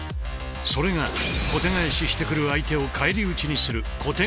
それが小手返ししてくる相手を返り討ちにする「小手返し返し」だ。